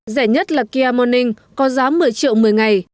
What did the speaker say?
rẻ nhất là kia morning có giá một mươi triệu một mươi ngày